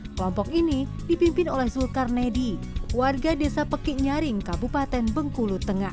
kelompok ini dipimpin oleh zulkarnedi warga desa peki nyaring kabupaten bengkulu tengah